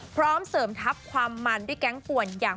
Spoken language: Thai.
พร้อมเสริมทัพความมันด้วยแก๊งป่วนอย่าง